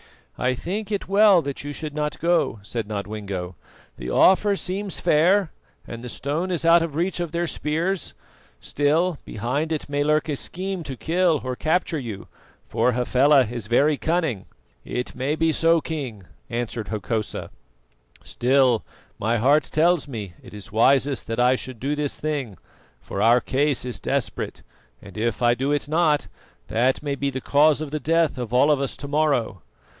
"I think it well that you should not go," said Nodwengo. "The offer seems fair, and the stone is out of reach of their spears; still, behind it may lurk a scheme to kill or capture you, for Hafela is very cunning." "It may be so, King," answered Hokosa; "still, my heart tells me it is wisest that I should do this thing, for our case is desperate, and if I do it not, that may be the cause of the death of all of us to morrow.